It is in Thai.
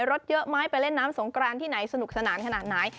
รถเยอะไหมไปเล่นน้ำสงกรานที่ไหนสนุกสนานขนาดไหน